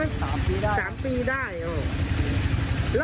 ไม่ก็เพิ่งมานี่แหละ